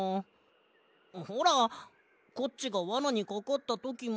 ほらコッチがわなにかかったときも。